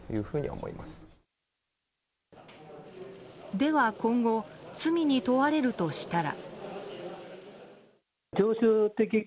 では、今後罪に問われるとしたら。